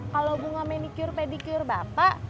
kalau bunga manicure pedicure bapak